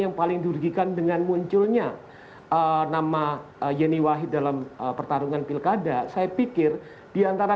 yang paling diurgikan dengan munculnya nama yeni wahid dalam pertarungan pilkada saya pikir diantara